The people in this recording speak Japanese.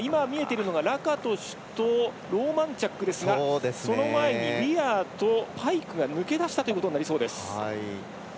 ラカトシュとローマンチャックですがその前にウィアーとパイクが抜け出したということになりそうです。